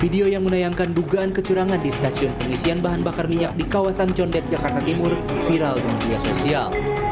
video yang menayangkan dugaan kecurangan di stasiun pengisian bahan bakar minyak di kawasan condet jakarta timur viral di media sosial